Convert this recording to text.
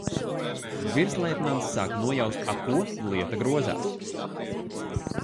Virsleitnants sāk nojaust ap ko lieta grozās.